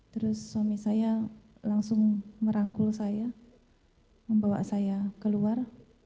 terus suami saya langsung merangkul saya membawa saya keluar